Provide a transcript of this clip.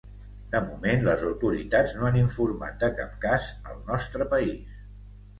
De moment, les autoritats no han informat de cap cas al nostre país.